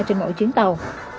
trên mỗi chuyến tàu